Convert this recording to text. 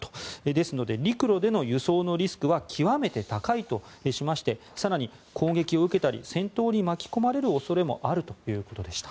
ですので陸路での輸送のリスクは極めて高いとしまして更に、攻撃を受けたり戦闘に巻き込まれる恐れもあるということでした。